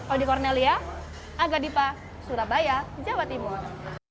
ody kornelia aga dipa surabaya jawa timur